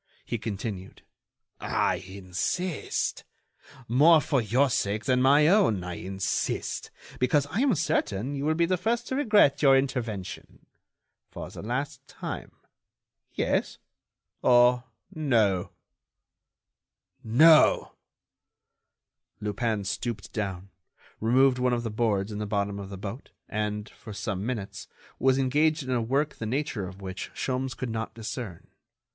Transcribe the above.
He continued: "I insist. More for your sake than my own, I insist, because I am certain you will be the first to regret your intervention. For the last time, yes or no?" "No." Lupin stooped down, removed one of the boards in the bottom of the boat, and, for some minutes, was engaged in a work the nature of which Sholmes could not discern.